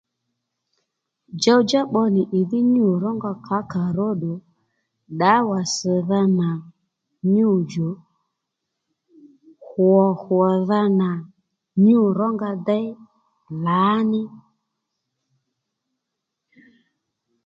Djowdjá pbò nì ìdhí nyû rónga kǎkà ró ddu ddǎwà ssdha nà nyûdjò ɦwò ɦwòdha nà nyû rónga déy lǎní